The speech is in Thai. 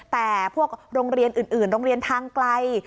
แต่พวกโรงเรียนอื่นโรงเรียนทางไกล